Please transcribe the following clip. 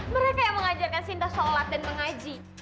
mereka yang mengajarkan sinta sholat dan mengaji